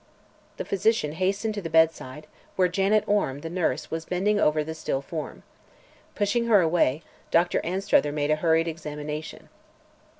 The physician hastened to the bedside, where Janet Orme, the nurse, was bending over the still form. Pushing her away, Dr. Anstruther made a hurried examination.